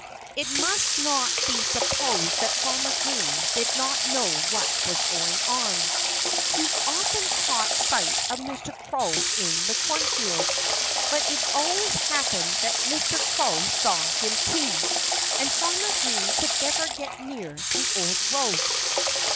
It must not be supposed that Farmer Green did not know what was going on. He often caught sight of Mr. Crow in the cornfield. But it always happened that Mr. Crow saw him too. And Farmer Green could never get near the old rogue.